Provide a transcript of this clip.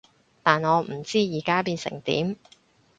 但我唔知而家變成點